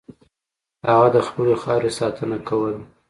هغه د خپلې خاورې ساتنه کوله.